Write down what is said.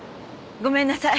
ごめんなさい！